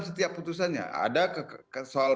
setiap putusannya ada soal